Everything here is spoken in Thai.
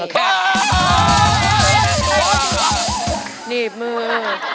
ดีบมือ